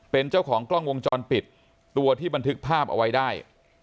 เป็นเจ้าของกล้องวงจรปิดตัวที่บันทึกภาพเอาไว้ได้